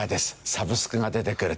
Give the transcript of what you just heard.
サブスクが出てくる。